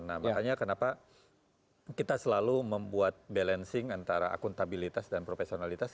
nah makanya kenapa kita selalu membuat balancing antara akuntabilitas dan profesionalitas